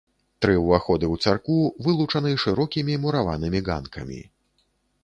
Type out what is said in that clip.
Тры ўваходы ў царкву вылучаны шырокімі мураванымі ганкамі.